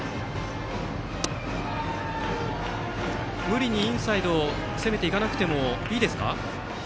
無理にインサイドを攻めていかなくてもいいですか？